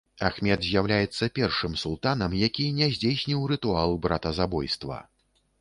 Ахмед з'яўляецца першым султанам, які не здзейсніў рытуал братазабойства.